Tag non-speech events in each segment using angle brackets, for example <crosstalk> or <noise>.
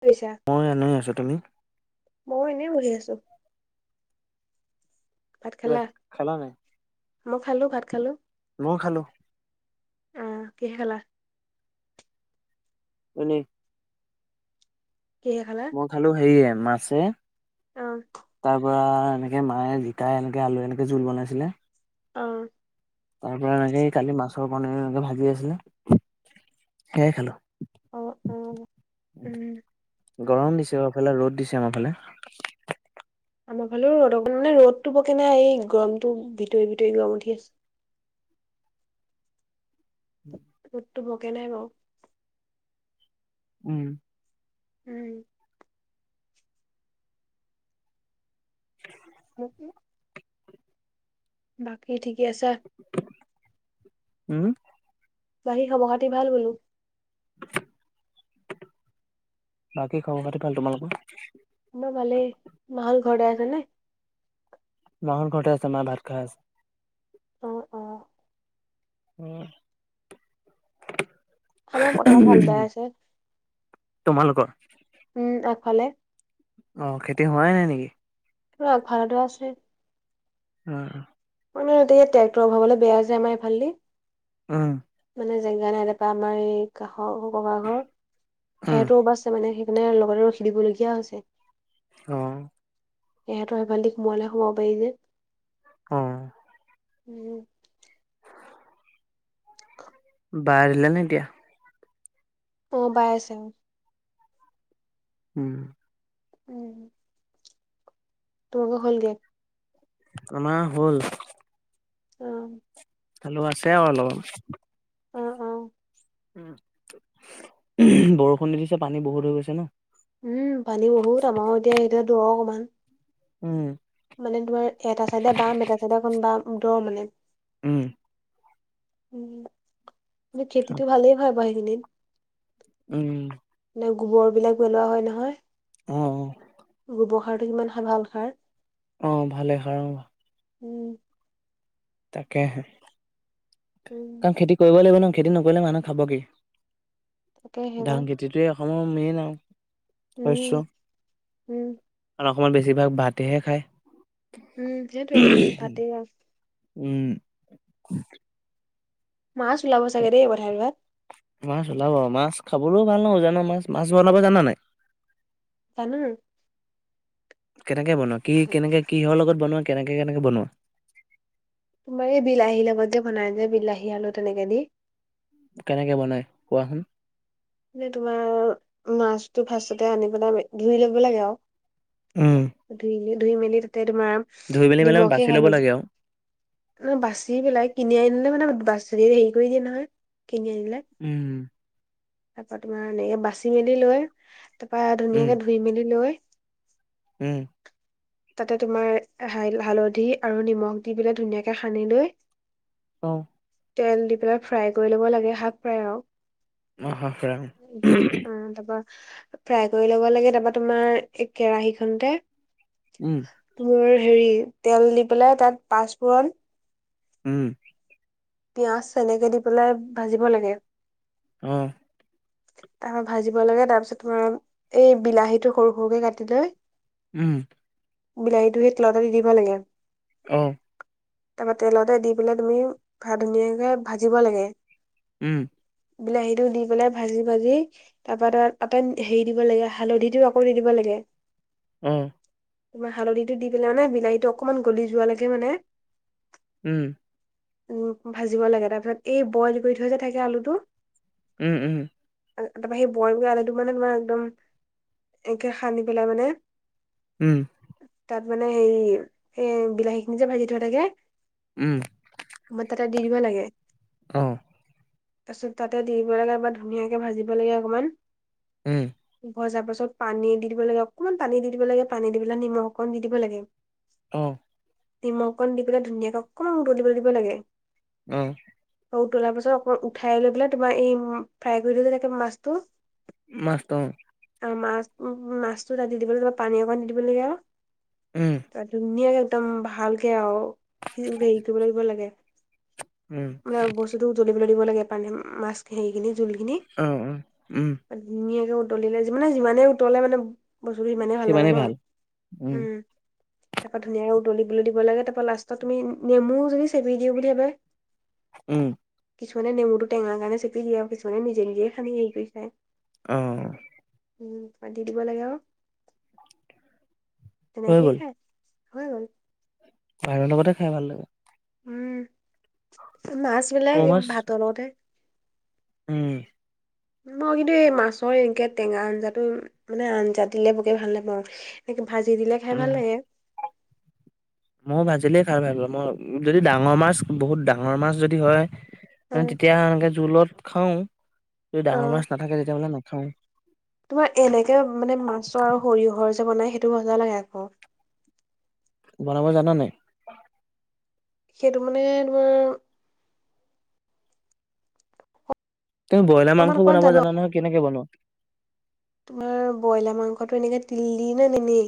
পইছা। মই এনেই আছো। তুমি? ময়ো এনেই বহি আছো। ভাত কিবা খালা? খালা নাই মই খালোঁ, ভাত খালোঁ। মই খালোঁ। অহ, কিহে খালা? <unintelligible> কিহে খালা? মই খালো, হেৰিয়ে মাছে অ'। তাৰ পৰা এনেকে মায়ে জিকাই এনেকে আলু, এনেকে জোল বনাইছিলে। অ'। তাৰ পৰা এনেকে কালি মাছৰ কণীৰ, এনেকে ভাজি আছিলে সেইয়াই খালোঁ। অ', অ'। উম। গৰম দিছে আমাৰ, ৰ'দ দিছে আমাৰ ফালে। আমাৰ ফালেও ৰ'দ অকন মানে, ৰ'দটোকে <unintelligible> এই গৰমটো ভিতৰি ভিতৰি গৰম উঠি আছে। উম। ৰ'দটো বৰকে নাই বাৰু। উম। উম। উম। <unintelligible> বাকী ঠিকে আছা? উম বাকী খবৰ খাতি ভাল বোলো? <unintelligible> বাকী খবৰ খাতি ভাল। তোমালোকৰ? আমাৰ ভালে। মাহঁত ঘৰতে আছে নে? মাহঁত ঘৰতে আছে। মাই ভাত খাই আছে। অ অ উম আমাৰ পথাৰ হাল বাই <unintelligible> আছে তোমালোকৰ। উম, আগফালে। অ', খেতি হোৱাই নাই নেকি? ৰ আগফালৰ ডৰা আছে। উম। মানে দেই ট্ৰেক্টৰ ভৰাবলে বেয়া যে আমাৰ এইফালে। উম। মানে জেগা নাই তাপা, আমাৰ এই কাষৰ ককা ঘৰ। উম সেইটো বাছ মানে সেইকাৰণে লগতে ৰখি দিবলগীয়া হৈছে। অ'। সিহঁতৰ এফালি সোমোৱালে সোমাব পাৰি যে। অ'। উম। <inaudible> বা দিলে নে এতিয়া? অ', বাই আছে। উম। উম। তোমালোকৰ হ'লগে? আমাৰ হ'ল। উম। আলো আছে আৰু অলপ। অ', অ'। উম, বৰষুণ দি দিছে পানী বহুত হৈ গৈছে ন। উম, পানী বহুত আমাৰ এতিয়া এতি দ অকমান। উম। মানে তোমাৰ এটা চাইডে বাম এটা চাইডে অকমান বা দৰ মানে। উম। উম, কি খেতিটো ভালেই হয় বাৰু এইখিনিত। উম। নে গোবৰ বিলাক পেলোৱা হয় নহয়, অ', গোবৰ সাৰটো কিমান ভাল সাৰ। অ', ভালে সাৰ অ'। উম। তাকেহে। উম। কাৰণ খেতি কৰিব লাগিব ন খেতি নকৰিলে মানুহ খাব কি? তাকে সেইবাৰ ধান ক খেতিটোৱে অসমৰ মেইন আও, উম শস্য। উম কাৰণ অস্ অসমৰ বেছিভাগ ভাতেহে খায়। উম, সেইটোৱে চব ভাতেই আৰু। উম। মাছ ওলাব চাগে দেই পথাই গিদৰাত। মাছ ওলাব মাছ খাবলৈও ভাল নহয় উজানৰ মাছ। মাছ বনাব জানা নাই? জাঁনো। কেনেকে বনোৱা কি কেনেকে কিহৰ লগত বনোৱা কেনেকে কেনেকে বনোৱা? তোমাৰ এই বিলাহীৰ লগত যে বনাই যে বিলাহী আলু তেনেকে দি। কেনেকে বনাই কোৱাচোন? মে তোমাৰ মাছতটো ফাৰ্ষটতে আনি পেলাই ধুই ল'ব লাগে আৰু। উম, ধুই ধুই মেলি তাতে তোমাৰ ধুই মেলি মানে বাচি নিমখে ল'ব হালধি লাগে আৰু নহয় বাচি পেলাই কিনি আনিলে মানে বা হেৰি কৰি দিয়ে নহয় কিনি আনিলে। উম। তাৰ পৰা তোমাৰ এনেকে বাচি মেলি লৈ তাৰ পৰা উম, ধুনীয়াকে ধুই মেলি লৈ। উম। তাতে তোমাৰ হালধি আৰু নিমখ দি পেলাই ধুনীয়াকে সানি লৈ। অ'। তেল দি পেলাই ফ্ৰাই কৰি ল'ব লাগে হাফ ফ্ৰাই আৰু। অ', হাফ ফ্ৰাই। অ' তাৰপা ফ্ৰাই কৰি ল'ব লাগে তাৰপা তোমাৰ এই কেৰাহি খনতে। উম। মোৰ হেৰি তেল দি পেলাই তাত পাঁচফোৰণ উম। পিঁয়াজ এনেকে দি পেলাই ভাজিব লাগে। অ'। তাৰ পৰা ভাজিব লাগে তাৰপিছত তোমাৰ এই বিলাহীটো সৰু সৰুকে কাটি লৈ উম। বিলাহীটো সেই তেলতে দি দিব লাগে। অ'। তাৰপা তেলতে দি পেলাই তুমি ভাপ উলিয়াই ধুনীয়াকে ভাজিব লাগে। উম। বিলাহী টো দি পেলাই ভাজি ভাজি তাৰপা তাত হেৰি দিব লাগে হালধিটোও আকৌ দি দিব লাগে। উম। তোমাৰ হালধিটো দি পেলাই মানে বিলাহীটো অকনমান গলি যোৱালৈকে মানে উম। উম, ভাজিব লাগে তাৰ পিছত এই বইল কৰি থৈ যে থাকে আলুটো উম, উম। তাৰপৰা সেই বইল কৰা আলুটো তোমাৰ একদম একে সানি পেলাই মানে উম। তাত মানে হেৰি এ বিলাহী খিনি যে ভাজি থোৱা থাকে। উম। মানে তাতে দি দিব লাগে। অ'। তাৰপিছত তাতে দি দিব লাগে বা ধুনীয়াকে ভাজিব লাগে অকণমান উম। ভজাৰ পাছত পানী দি দিব লাগে অকনমান পানী দি দিব লাগে, পানী দি পেলাই নিমখ অকণ দি দিব লাগে। অ'। নিমখ অকণ দি পেলাই ধুনীয়াকে অকণমান উতলিবলৈ দিব লাগে। উম। অ' উতলাৰ পাছত অকন উঠাই লৈ পেলাই তোমাৰ এই ফ্ৰাই কৰি থোৱা মাছটো মাছটো অ'। মাছ মাছটো তাত দি দিব লাগিব পানী অকণ দি দিব লাগে আৰু উম- ত ধুনীয়াকে একদম ভালকে আৰু হেৰি কৰিব লাগিব লাগে। <unintelligible> বস্তুতটো জ্বলিবলৈ <unintelligible> দিবলাগে মাছখিনি। অ- অ 'উম ধুনীয়াকে উতলিলে মানে যিমানেই উতলে মানে বস্তুটো সিমানেই ভাল লাগে ন উম তাৰপৰা ধুনীয়াকৈ উতলিবলৈ দিব লাগে তাৰপৰা লাষ্টত তুমি নেমু যদি চেপি দিওঁ বুলি ভাবা। উম্ কিছুমানে নেমুটো টেঙাৰ কাৰণে চেপি দিয়ে আৰু কিছুমানে নিজে নিজে সানি হেৰি কৰি খায়। অ', উম,, 'পানী দিব লাগে আৰু, হৈ তেনেকেই গ'ল। খায় হৈ গ'ল। <unintelligible> লগতে খাই ভাল <unintelligible> উম'- মাছ বিলাক সৰু মাছ ভাতৰ লগতে উম- মই কিন্তু এই মাছৰ এনেকে টেঙা আঞ্জাতটো মানে আঞ্জা দিলে বকে ভাল নাপাওঁ। সে ভাজি দিলে খাই ভাল লাগে। মই ভাজিলেই খাই ভাল পাল মই যদি ডাঙৰ মাছ বহুত ডাঙৰ মাছ যদি হয়। মানে অ', তেতিয়া এনেকে জোলত খাও যদি ডাঙৰ মাছ অ', নাথাকে তেতিয়া মানে নাখাও। তোমাৰ এনেকে মানে মাছ আৰু সৰিয়হৰ যে বনাই সেইটো মজা লাগে আকৌ। বনাব জানা নাই। সেইটো মানে তোমাৰ তুমি ব্ৰইলাৰ অকমান মাংস অকমান বনাব জানো জানা নহয় কেনেকে বনোৱা। তোমাৰ ব্ৰইলাৰ মাংসটো এনেকে তিললি নে ননে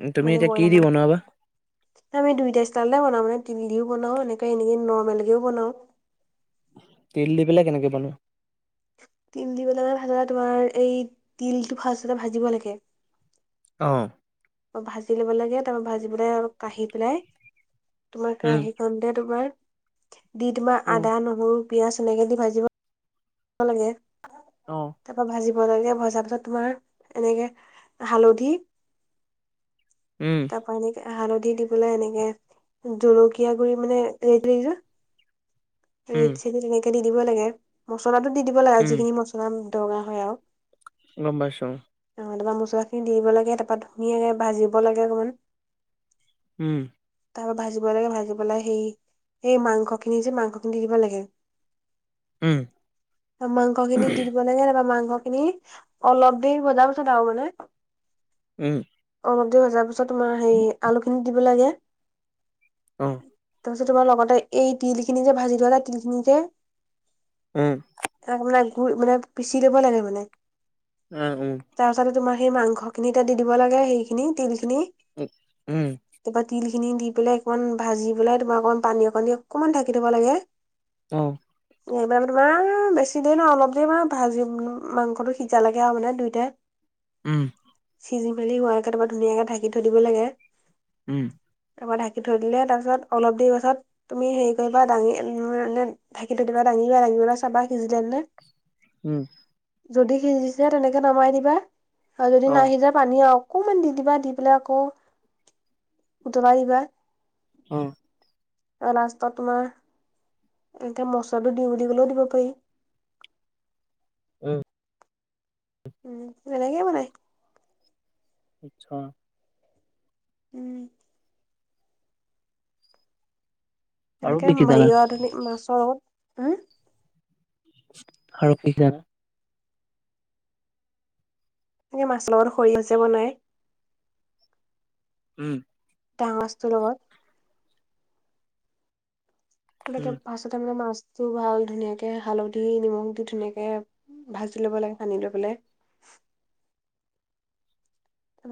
উম, তুমি মানে এতিয়া কি ব্ৰইলাৰ দি আমাক বনোৱা বা? আমি দুইটা ষ্টালতে বনাওঁ মানে তিল দিও বনাও এনেকে এনেকে নৰ্মেল কেও বনাও। তিল দি পেলাই কেনেকৈ বনোৱা। তিল দিপেলাই মানে ভাল তোমাৰ এই তিলটো ফাৰ্ষ্টতে ভাজিব লাগে। অঁ, ' ভাজি ল'ব লাগে তাৰ পৰা ভাজি পেলাই কাঢ়ি পেলাই। তোমাৰ উম, কেৰাহি খতে তোমাৰ দি তোমাৰ উম, আদা নোহৰু পিয়াজ এনেকে দি ভাজিব ভাজিব লাগে। অ', তাৰপৰা ভাজিব লাগে ভজাৰ তোমাৰ এনেকে হালধি উ-ওম', তাপা এনেকে হালধি দিব পালে এনেকে জলকীয়া গুৰি মানে ল লো। উম, ৰেড চিলি তেনেকে দি দিব লাগে মচলা দি দিব লাগে উম, যিখিনি মছলা দৰা হয় আৰু, গোম পাইছো। আহ তাৰপা মছলা খিনি দি দিব লাগে তাৰা ধুনীয়াকে ভাজিব লাগে অকণমান। উম, ' তাৰ পৰা ভাজিব লাগে ভাজি পেলাই সেই এই মাংস খিনি যে মাংস। <unintelligible> উম, মাংস খিনি দি দিব লাগে নবা মাংস খিনি অলপ দেৰি বজাৰ পিছত আৰু মানে উম্, অলপ দেৰি ভজাৰ পিছত তোমাৰ হেৰি, আলুখিনি দিব লাগে। অ', তাৰপিছত, তোমাৰ লগতে এই তিল খিনি যে ভাজি থোৱা তিল খিনি যে উম্, তাক মানে গু, মানে পিচি ল'ব লাগে মানে। উম্, উম্। তাৰ পাছতে তোমাৰ সেই মাংসখিনিতে দি দিব লাগে। সেইখিনি, তিল খিনি উ-উম্, তাৰপা তিল খিনি দি পেলাই অকণমান ভাজি পেলাই, তোমাৰ অকণমান পানী অকণ দি অকণমান ধাকি থ'ব লাগে। অ', এইবাৰ তোমাৰ বেছি দেৰি নহয়, অলপ দেৰি মানে ভাজি মাংসটো সিজা লেকে আৰু মানে দুইটাই উম্, সিজি মেলি হোৱালেকে তোমাৰ ধুনীয়াকে ঢাকি দিব লাগে। উম্, তাৰপৰা ঢাকি থৈ দিলে, তাৰ পিছত অলপ দেৰি পাছত তুমি হেৰি কৰিবা দাঙি উম্, এ ঢাকি থয় দিবা, দাঙিবা, দাঙি পেলাই চাবা সিজিলে নে নাই। উম্, যদি সিজিছে, তেনেকে নমাই দিবা আৰু যদি নাই অ', সিজা পানী অকনমান দি দিবা, দি পেলাই আকৌ উতলাই দিবা। উম্। লাষ্টত তোমাৰ এনেতে মচলাটো দিওঁ বুলি ক'লেও, দিব পাৰি। উম, উম্, তেনেকেই বনাই। আচ্ছা। উম্। আৰু এনেকে কি কি জানা? হেৰিয় আধুনিক মাছৰ লগত, উম্! আৰু কি জানা! এনেকে মাছৰ লগত সৰিয়হ যে বনায়। উম্। ডাঙৰ মাছটোৰ লগত। তেনেকে উম, বাচোতে মানে মাছটো ভাল, ধুনীয়াকে হালধি নিমখ দি ধুনীয়াকে ভাজি ল'ব লাগে, সানি লৈ পেলাই।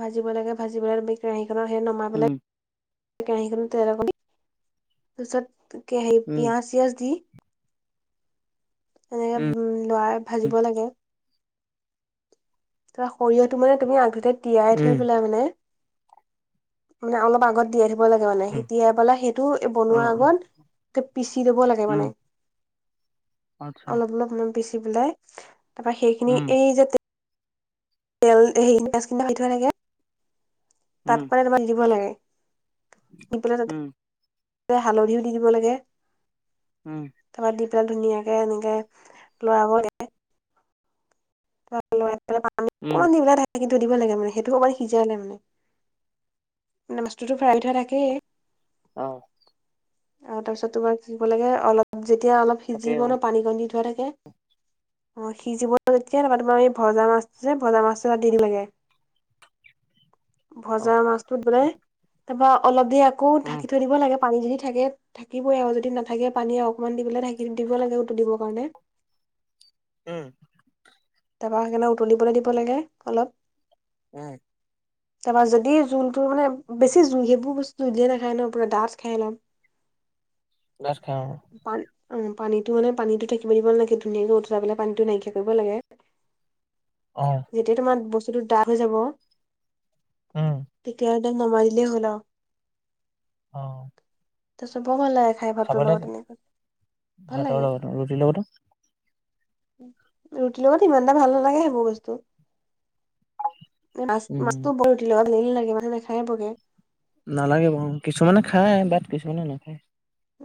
ভাজিব লাগে, ভাজি পেলাই আমি কেৰাহীত সেই নমাই উম, পেলাই কেৰাহীখনত তেল অকন, তাৰপিছত উম, পিয়াজ চিয়াজ দি এনেকে উম, উম্, লৰাই ভাজিব লাগে। তাৰপা সৰিয়হটো মানে তুমি আগতে তিয়াই থৈ উম, পেলাই মানে মানে অলপ আগত তিয়াই থ'ব লাগে মানে, উম, সেই তিয়াই পেলাই সেইটো বনোৱা অ', অ', আগত পিচি ল'ব লাগে উম, মানে। আচ্ছা, অলপ অলপ পিচি পেলাই তাৰপা সেইখিনি উম, এই যে তেল হেৰি পিয়াজ খিনি ভাজি থোৱা থাকে তাত উম, মানে তোমাৰ দিব লাগে, দি পেলাই উম, তাতে হালধিও দি দিব লাগে। উম্। তাৰপৰা দি পেলাই ধুনীয়াকে এনেকে লৰাব লৰাই পেলাই পানী উম, অকনমান দি পেলাই ঢাকি দিব লাগে। এ কিন্তু দিব লাগে মানে সেইটো অকণমান সিজালে মানে মে মাছটো টো ফ্ৰাই কৰি থোৱা থাকেই। অ'। আৰু তাৰপিছত তোমাৰ দিব লাগে অলপ যেতিয়া অলপ তাকেই সিজিব অ', ন পানী কণ দি থোৱা থাকে। অ', সিজিব যেতিয়া তাৰপা তোমাৰ ভজা মাছটো যে ভজা মাছটো তাত দি দিব লাগে। ভজা অ', মাছতো দি পেলাই তাৰপৰা অলপ দেৰি আকৌ উম, ঢাকি থৈ দিব লাগে। পানী যদি থাকে থাকিবই আৰু যদি নাথাকে পানী অকনমান দি পেলাই ঢাকি দিব লাগে উতলিব কাৰণে। উম। তাৰপৰা সেইকাৰণে উতলিবলৈ দিব লাগে অলপ। উম। তাৰপা যদি জোলটো মানে বেছি জোল সেইবোৰ বস্তু দিয়ে নাখায় ন পুৰা দাঁঠ খাই অলপ। দাঁঠ খাই অ'। পান অ পানীটো মানে পানীটো থাকিব দিব নালাগে ধুনীয়াকে উতলাই পেলাই পানীটো নাইকিয়া কৰিব লাগে। অ'। যেতিয়া তোমাৰ বস্তুতো ডাঠ হৈ যাব। ওম। তেতিয়া একদম নমাই দিলে হ'ল আৰু। অ'। তাৰ পিছত বৰ ভাল লাগে খাই খাব ভাতৰ লগত এনেকুৱা, ভাল লাগে। উম ৰুটি লগতো। ৰুটি লগত সিমান এটা ভাল নালাগে সেইবোৰ বস্তু। মাছ উম মাছটো বৰ ৰুটি লগত ভাল নালাগে মানুহে নেখায়ে বৰকে। নালাগে বাৰু উম, কিছুমানে খাই বাট কিছুমানে নেখায়।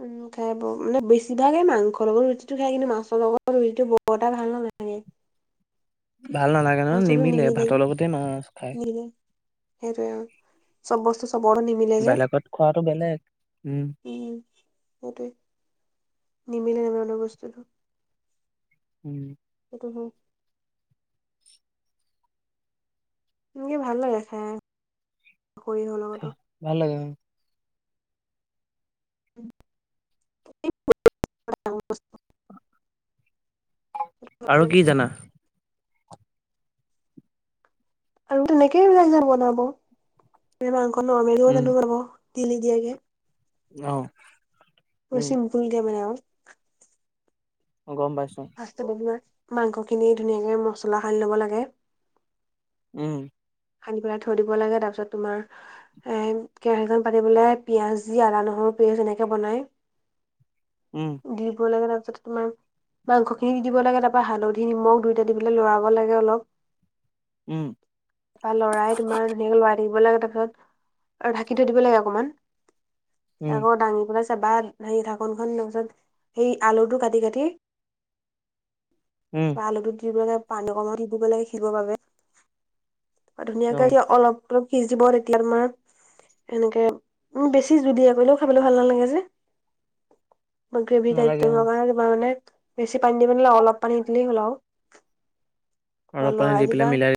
উম। খাই ব, মানে বেছিভাগে মাংসৰ লগত ৰুটিটো খাই, কিন্তু মাছৰ লগত ৰুটিটো বৰ এটা ভাল নালাগে। ভাল নালাগে ন, নিমিলে ভাতৰ লগতে মাছ খাই। নিমিলে সেইটোৱে অ, চব বস্তু চবৰ লগত নিম বেলেগত খোৱাটো বেলেগ উম। উম, সেইটোৱে। নিমিলে নিমিলা লগত বস্তুটো। উম। সেইটো হয়। এনেকে ভাল লাগে খাই সৰিয়হ ল ভাল লাগে বাৰু। <unintelligible> আৰু কি জানা? আৰু তেনেকেই জানো বনাব। মাংস নৰ্মালি উম জানো বনাব তেল নিদিয়াকে। অহ, উম। পুৰিলে বনাও। অ', গম পাইছোঁং। ফাৰ্ষ্টট বনোৱা মাংসখিনি ধুনীয়াকে মছলা সানি ল'ব লাগে। উম। সানি পেলাই থৈ দিব লাগে, তাৰপিছত তোমাৰ এ কেৰাহীখন পাতি পেলাই, পিঁয়াজ দি আদা-নহৰু পিয়াজ এনেকে বনায়। উম। দিব লাগে, তাৰপিছতে তোমাৰ মাংসখিনি দি দিব লাগে তাৰ পৰা হালধি নিমখ দুইটা দি পেলাই লৰাব লাগে অলপ। উম। লৰাই তোমাৰ ধুনীয়াকে লৰাই থাকিব লাগে তাৰপিছত আৰু ঢাকি থৈ দিব লাগে অকমান। উম আকৌ দাঙি পেলাই চাবা সেই ঢাকনখন তাৰপিছত সেই আলুটো কাটি-কাটি উম। বা আলুটো দিব লাগে পানী অকনমান দিব লাগে সিজিবৰ বাবে। অ ধুনীয়াকে যেতিয়া অলপ অলপ সিজিব, তেতিয়া তোমাৰ এনেকে, বেছি জুলিয়া কৰিলেও খাবলে ভাল নালাগে যে। গ্ৰেভি টাইপ নালাগে কৰিব অ কাৰণে তাপা‌ মানে বেছি পানী দিব নালাগে, অলপ পানী দিলেই হ'ল আৰু। বা অলপ পানী লৰাই দি পেলাই দিবা মিলাই